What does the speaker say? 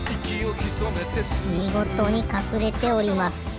みごとにかくれております。